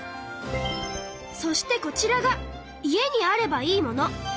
そしてこちらが家にあればいいもの。